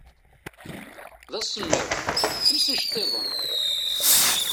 Dasemmiḍ, els icettiḍen!